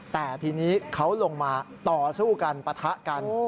แต่ทีนี้เขาลงมาต่อสู้กันปะทะกัน